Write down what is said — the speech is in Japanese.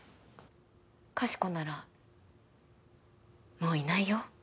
かしこならもういないよ。